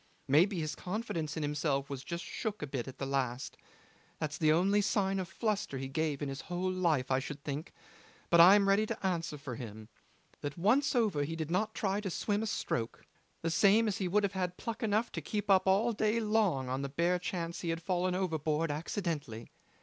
Maybe his confidence in himself was just shook a bit at the last. That's the only sign of fluster he gave in his whole life, I should think; but I am ready to answer for him, that once over he did not try to swim a stroke, the same as he would have had pluck enough to keep up all day long on the bare chance had he fallen overboard accidentally.